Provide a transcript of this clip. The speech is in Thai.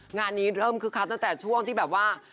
งานนี้เริ่มคึกคักตั้งแต่ช่วงที่แบบว่า